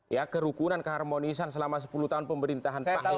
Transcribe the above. ya kerukunan keharmonisan selama sepuluh tahun pemerintahan pak jokowi